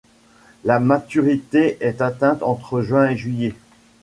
La maturité est atteinte entre juin et juillet.